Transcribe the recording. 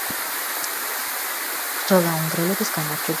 ბრძოლა უნგრელების გამარჯვებით დასრულდა.